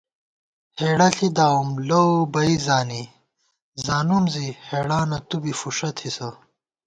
ہېڑہ ݪِی داوُم لَؤ بئ زانی، زانُوم زی ہېڑانہ تُو فُݭہ تھِسہ